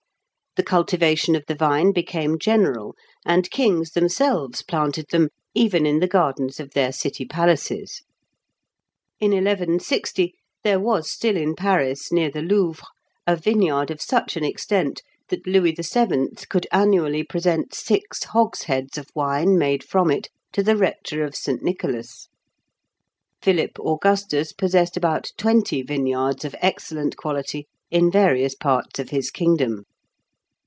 The cultivation of the vine became general, and kings themselves planted them, even in the gardens of their city palaces. In 1160, there was still in Paris, near the Louvre, a vineyard of such an extent, that Louis VII. could annually present six hogsheads of wine made from it to the rector of St. Nicholas. Philip Augustus possessed about twenty vineyards of excellent quality in various parts of his kingdom.